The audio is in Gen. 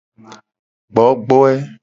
Gbogboe.